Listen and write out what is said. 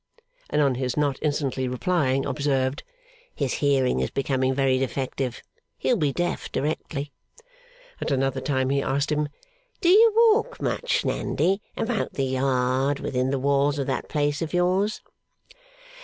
and on his not instantly replying, observed, ['His hearing is becoming very defective. He'll be deaf directly.') At another time he asked him, 'Do you walk much, Nandy, about the yard within the walls of that place of yours?